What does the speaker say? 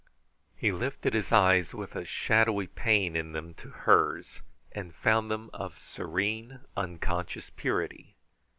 He lifted his eyes with a shadowy pain in them to hers, and found them of serene, unconscious purity.